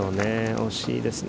惜しいですね